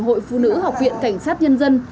hội phụ nữ học viện cảnh sát nhân dân